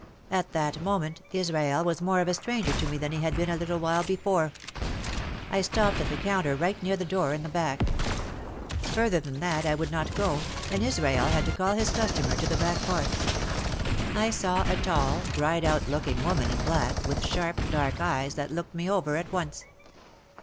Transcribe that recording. At that moment Israel was more of a stranger to me than he had been a little while before. I stopped at the counter right near the door in the back. Further than that I would not go and Israel had to call his customer to the back part. I saw a tall, dried out looking woman in black with sharp, dark eyes that looked me over at once.